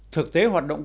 thực tế hoạt động